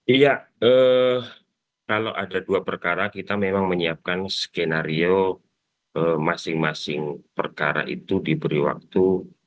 iya kalau ada dua perkara kita memang menyiapkan skenario masing masing perkara itu diberi waktu